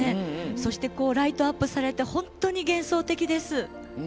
そして、ライトアップされて本当に幻想的です。